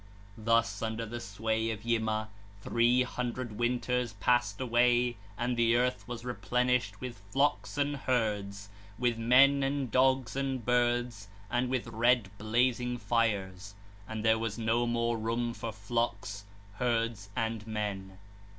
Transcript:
8 (20). Thus, under the sway of Yima, three hundred winters passed away, and the earth was replenished with flocks and herds, with men and p. 13 dogs and birds and with red blazing fires, and there was no more room for flocks, herds, and men.